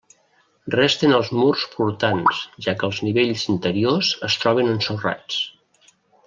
Resten els murs portants, ja que els nivells interiors es troben ensorrats.